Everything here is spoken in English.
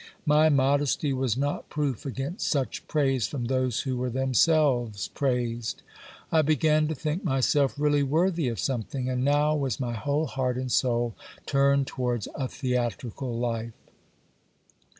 My modesty was not proof against such praise from those who were themselves praised. I began to think myself really worthy of something ; and now was my whole heart and soul turned towards a theatrical life.